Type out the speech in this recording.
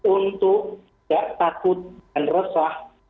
untuk tidak takut dan resah